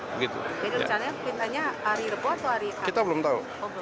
jadi rencananya kita tanya hari repot atau hari